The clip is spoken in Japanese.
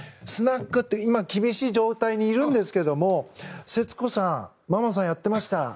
スナックって今厳しい状態にいるんですけどせつこさんはママさんやってました。